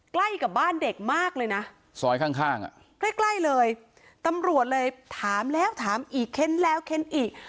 ใกล้กับบ้านเด็กมากเลยนะซอยข้างอ่ะใกล้ใกล้เลยตำรวจเลยถามแล้วถามอีกเค้นแล้วเค้นอีก